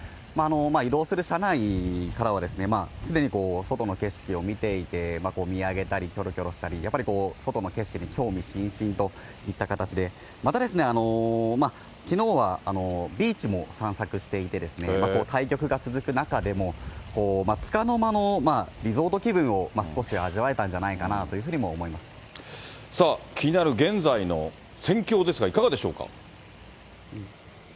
移動する車内からは、常に外の景色を見ていて、見上げたり、きょろきょろしたり、やっぱりこう、外の景色に興味津々といった形で、またですね、きのうはビーチも散策していて、あと対局が続く中でも、つかの間のリゾート気分を少し味わえたんじゃないかなというふうさあ、気になる現在の戦況ですが、いかがでしょうか？